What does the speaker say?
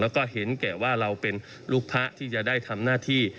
แล้วก็เห็นแก่ว่าเราเป็นลูกพระที่จะได้ทำหน้าที่